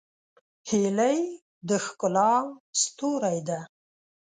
هیلۍ د ښکلا ستوری ده